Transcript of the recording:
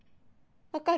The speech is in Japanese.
分かる？